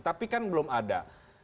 tapi kan belum ada